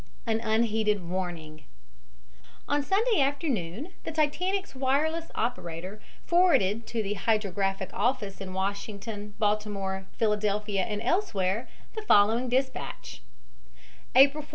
AN UNHEEDED WARNING On Sunday afternoon the Titanic's wireless operator forwarded to the Hydrographic office in Washington, Baltimore, Philadelphia and elsewhere the following dispatch: "April 14.